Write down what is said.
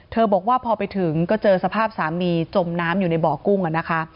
บอกว่าพอไปถึงก็เจอสภาพสามีจมน้ำอยู่ในบ่อกุ้งนะคะ